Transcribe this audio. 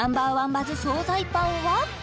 バズ惣菜パンは？